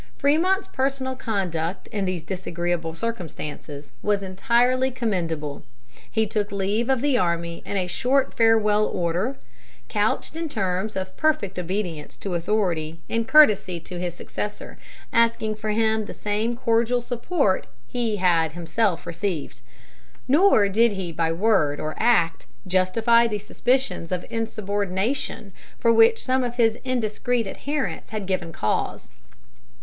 Frémont's personal conduct in these disagreeable circumstances was entirely commendable. He took leave of the army in a short farewell order, couched in terms of perfect obedience to authority and courtesy to his successor, asking for him the same cordial support he had himself received. Nor did he by word or act justify the suspicions of insubordination for which some of his indiscreet adherents had given cause.